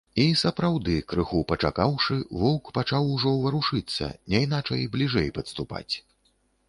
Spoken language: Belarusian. І, сапраўды, крыху пачакаўшы, воўк пачаў ужо варушыцца, няйначай бліжэй падступаць.